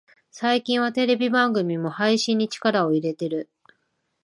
最近はテレビ番組も配信に力を入れてる